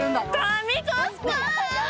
神コスパ！！